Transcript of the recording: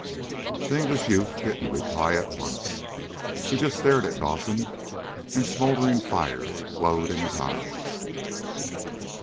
The English youth didn't reply at once. He just stared at Dawson, and smouldering fires glowed in his eyes.